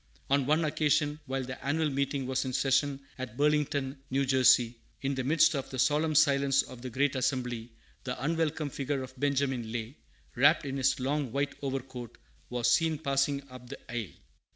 On one occasion, while the annual meeting was in session at Burlington, N. J., in the midst of the solemn silence of the great assembly, the unwelcome figure of Benjamin Lay, wrapped in his long white overcoat, was seen passing up the aisle.